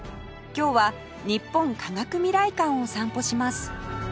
今日は日本科学未来館を散歩します